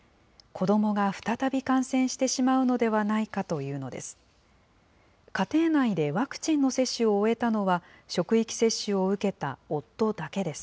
子どもが再び感染してしまうのではないかというのです。